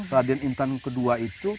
raden intan ke dua itu